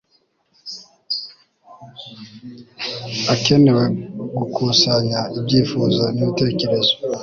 akenewe gukusanya ibyifuzo n ibitekerezo